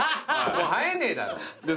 もう生えねえだろ。